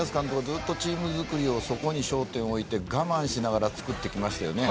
ずっとチーム作りでそこに焦点を置いて我慢しながら作ってきましたよね。